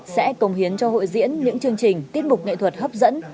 sẽ công hiến cho hội diễn những chương trình tiết mục nghệ thuật hấp dẫn